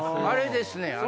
あれですね。